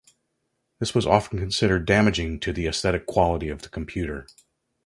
This was often considered damaging to the aesthetic quality of the computer.